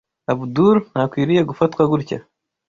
Abdul ntakwiriye gufatwa gutya.